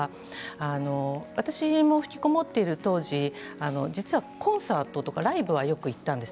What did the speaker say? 私もひきこもっていた当時コンサートとかライブにはよく行ったんです。